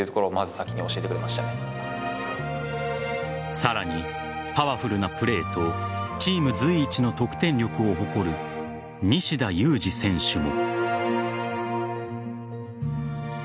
さらに、パワフルなプレーとチーム随一の得点力を誇る西田有志選手も。